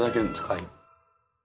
はい。